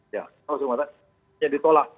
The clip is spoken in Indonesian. ya kalau saya mengatakan ini ditolak